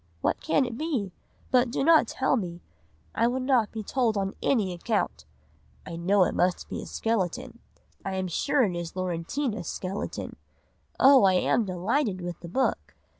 what can it be? But do not tell me, I would not be told on any account. I know it must be a skeleton, I am sure it is Laurentina's skeleton! Oh! I am delighted with the book!